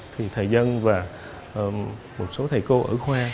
thì thầy dân và một số thầy cô ở khoa